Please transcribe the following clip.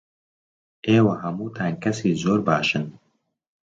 ئێوە هەمووتان کەسی زۆر باشن.